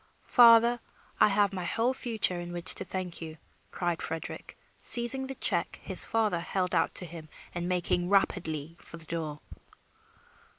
"Father, I have my whole future in which to thank you," cried Frederick, seizing the check his father held out to him and making rapidly for the door.